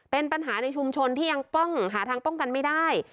เป็นปัญหาในชุมชนที่ยังป้องหาทางป้องกันไม่ได้